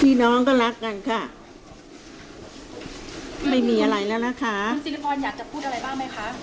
น้องก็รักกันค่ะไม่มีอะไรแล้วนะคะคุณสิริพรอยากจะพูดอะไรบ้างไหมคะ